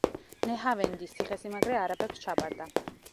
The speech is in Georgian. ნეჰავენდის ციხესიმაგრე არაბებს ჩაბარდა.